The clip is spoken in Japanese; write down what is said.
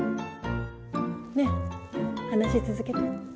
ねえ話続けて。